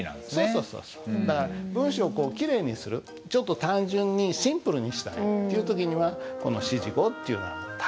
そうそうそうそうだから文章をキレイにするちょっと単純にシンプルにしたいっていう時にはこの指示語っていうのは大切。